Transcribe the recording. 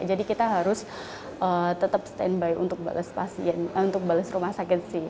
jadi kita harus tetap stand by untuk balas rumah sakit sih